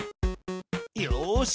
よし！